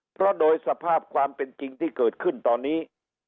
เพราะโดยสภาพความเป็นจริงที่เกิดขึ้นตอนนี้